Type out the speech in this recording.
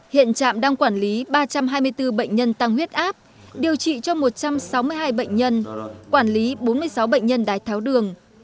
hiện trạm đang quản lý ba trăm hai mươi bốn bệnh nhân tăng huyết áp điều trị cho một trăm sáu mươi hai bệnh nhân quản lý bốn mươi sáu bệnh nhân đái tháo đường